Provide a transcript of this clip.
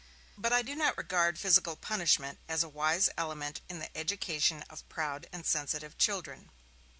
But I do not regard physical punishment as a wise element in the education of proud and sensitive children.